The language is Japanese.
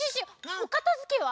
おかたづけは？